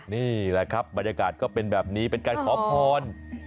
นี่แหละครับบรรยากาศก็เป็นแบบนี้เป็นการขอพร